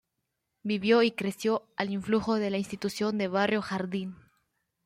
Vivió y creció al influjo de la institución de Barrio Jardín.